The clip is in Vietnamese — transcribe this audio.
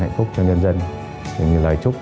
hạnh phúc cho nhân dân mình lời chúc